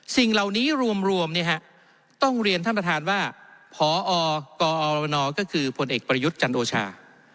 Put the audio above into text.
สิ่งเหล่านี้รวมต้องเรียนท่านประธานว่าพอกอรมนก็คือผลเอกประยุทธ์จันโอชา